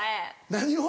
何を？